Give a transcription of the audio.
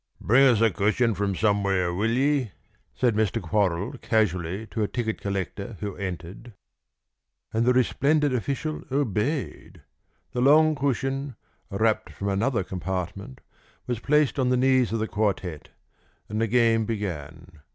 "Bring us a cushion from somewhere, will ye?" said Mr. Quorrall casually to a ticket collector who entered. And the resplendent official obeyed. The long cushion, rapt from another compartment, was placed on the knees of the quartette, and the game began.